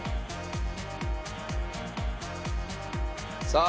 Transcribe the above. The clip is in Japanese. さあ。